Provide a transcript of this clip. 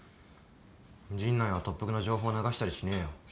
陣内は特服の情報流したりしねえよ。